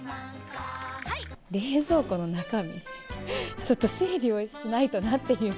冷蔵庫の中身、ちょっと整理をしないとなっていう。